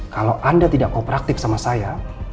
kalau anda tidak kooperatif sama saya